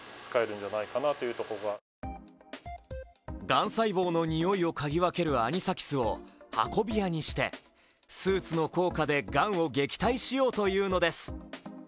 がん細胞のにおいをかぎ分けるアニサキスを運び屋にしてスーツの効果で、がんを撃退しようというのです。